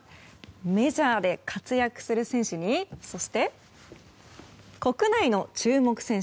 メジャーで活躍する選手にそして国内の注目選手